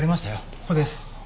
ここです。